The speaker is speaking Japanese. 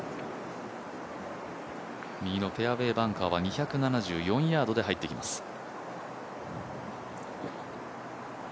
右のフェアウエーバンカーは２７４ヤードで入っていきます。